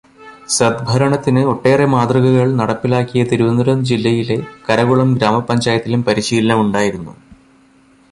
സദ്ഭരണത്തിന് ഒട്ടേറെ മാതൃകകൾ നടപ്പിലാക്കിയ തിരുവനന്തപുരം ജില്ലയിലെ കരകുളം ഗ്രാമപഞ്ചായത്തിലും പരിശീലനം ഉണ്ടായിരുന്നു.